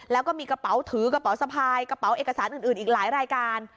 แล้วก็มีกระเป๋าถือกระเป๋าสะพายกระเป๋าเอกสารอื่นอีกหลายรายการ